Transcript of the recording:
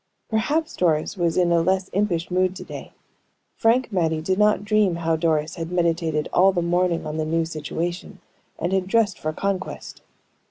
Perhaps Doris was in a less impish mood to day. Frank Mattie did not dream how Doris had meditated all the morning on the new situation, and had dressed for conquest.